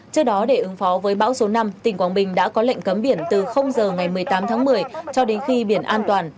trước đó để ứng phó với bão số năm tỉnh quảng bình đã có lệnh cấm biển từ giờ ngày một mươi tám tháng một mươi cho đến khi biển an toàn